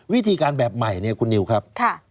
วิธีการแบบใหม่เนี่ยคุณนิวครับ